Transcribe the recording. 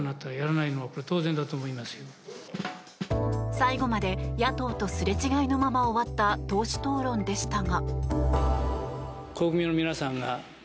最後まで野党とすれ違いのまま終わった党首討論でしたが。